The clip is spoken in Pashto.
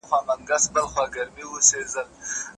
او نه توري د غازیانو وي په وینو رنګېدلي